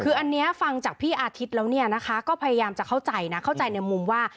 คืออันนี้ฟังจากพี่อาทิตย์แล้วเนี่ยนะคะก็พยายามจะเข้าใจนะเข้าใจในมุมว่า